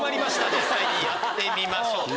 実際にやってみましょう。